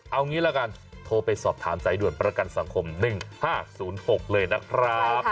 เอางี้ละกันโทรไปสอบถามสายด่วนประกันสังคม๑๕๐๖เลยนะครับ